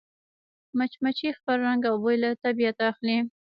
مچمچۍ خپل رنګ او بوی له طبیعته اخلي